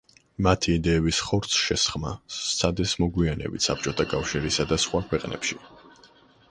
მათი იდეების ხორცშესხმა სცადეს მოგვიანებით საბჭოთა კავშირსა და სხვა ქვეყნებში.